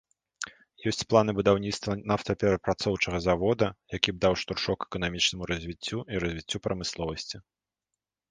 Ёсць планы будаўніцтва нафтаперапрацоўчага завода, які б даў штуршок эканамічнаму развіццю і развіццю прамысловасці.